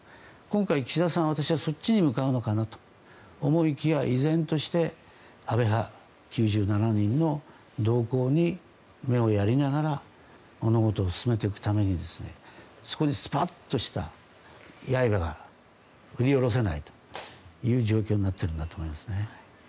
今回、岸田さんはそっちに向かうのかと思いきや依然として安倍派９７人の動向に目をやりながら物事を進めていくためにそこにスパッとした刃が振り下ろせないという状況になっているんだと思いますね。